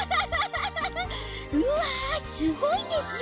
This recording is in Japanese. うわすごいですよ